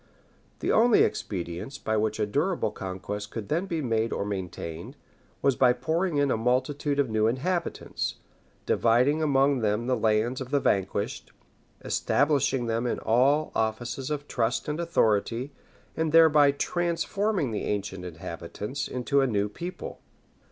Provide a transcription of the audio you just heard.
The only expedient by which a durable conquest could then be made or maintained, was by pouring in a multitude of new inhabitants, dividing among them the lands of the vanquished, establishing them in all offices of trust and authority, and thereby transforming the ancient inhabitants into a new people.